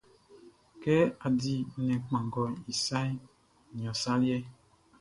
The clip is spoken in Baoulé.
Kɛ á dí nnɛn kpanngɔʼn i saʼn, nian ɔ liɛʼn.